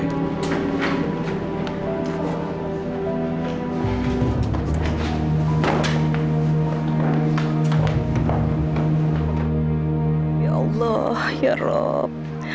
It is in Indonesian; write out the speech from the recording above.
ya allah ya rob